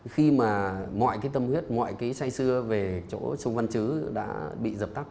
khi mà mọi cái tâm huyết mọi cái say xưa về chỗ trung văn chứ đã bị dập tắt